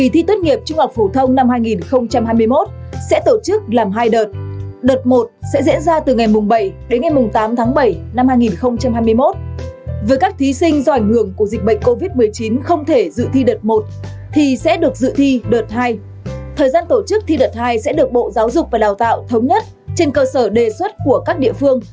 thứ trưởng bộ giáo dục và đào tạo thống nhất trên cơ sở đề xuất của các địa phương